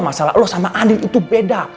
masalah lo sama andi itu beda